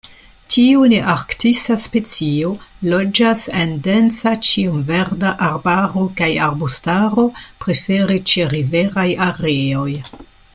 Tiu nearktisa specio loĝas en densa ĉiamverda arbaro kaj arbustaro, prefere ĉeriveraj areoj.